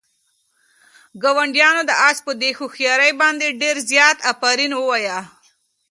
ګاونډیانو د آس په دې هوښیارۍ باندې ډېر زیات آفرین ووایه.